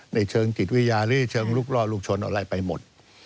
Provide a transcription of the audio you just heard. ในเชิงจิตวิญญาหรือเชิงลุกล่อลูกชนอะไรไปหมด